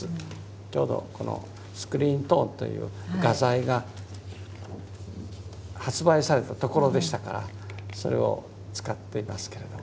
ちょうどこのスクリーントーンという画材が発売されたところでしたからそれを使っていますけれども。